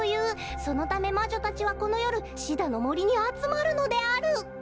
そのため魔女たちはこのよるシダのもりにあつまるのである」。